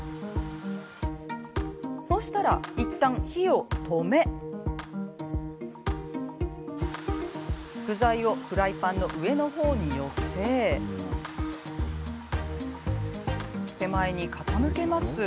そうしたらいったん、火を止め具材をフライパンの上の方に寄せ手前に傾けます。